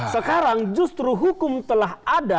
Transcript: sekarang justru hukum telah ada